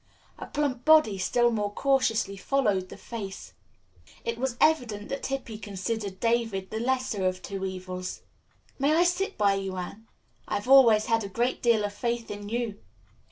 A plump body still more cautiously followed the face. It was evident that Hippy considered David the lesser of two evils. "May I sit by you, Anne? I have always had a great deal of faith in you."